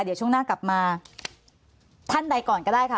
เดี๋ยวช่วงหน้ากลับมาท่านใดก่อนก็ได้ค่ะ